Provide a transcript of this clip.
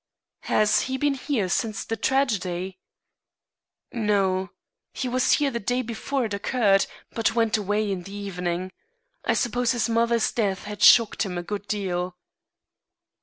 "Has he been here since the tragedy?" "No. He was here the day before it occurred, but went away in the evening. I suppose his mother's death has shocked him a good deal."